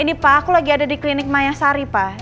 ini pak aku lagi ada di klinik mayasari pak